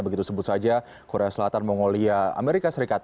begitu sebut saja korea selatan mongolia amerika serikat